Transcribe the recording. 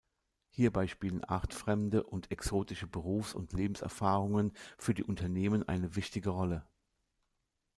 Hierbei spielen artfremde und exotischen Berufs- und Lebenserfahrungen für die Unternehmen eine wichtige Rolle.